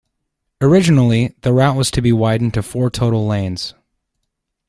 Originally, the route was to be widened to four total lanes.